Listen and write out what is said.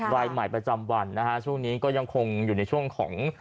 รายใหม่ประจำวันนะฮะช่วงนี้ก็ยังคงอยู่ในช่วงของ